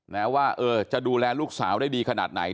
นะว่าเออจะดูแลลูกสาวได้ดีขนาดไหน